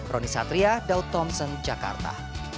roni satria daud thompson jakarta